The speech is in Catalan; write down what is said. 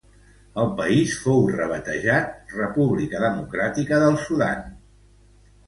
El país fou rebatejat República Democràtica del Sudan.